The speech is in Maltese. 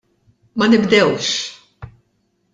Ma nibdewx!